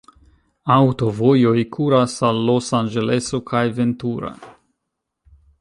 Aŭtovojoj kuras al Los-Anĝeleso kaj Ventura.